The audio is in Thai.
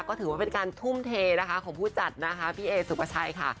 ก็ถือว่าเป็นการทุ่มเทนะคะของผู้จัดนะคะพี่เอสุปชัยค่ะ